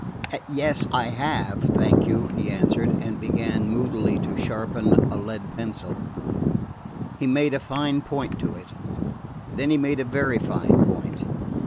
"Yes, I have, thank you," he answered, and began moodily to sharpen a lead pencil. He made a fine point to it. Then he made a very fine point.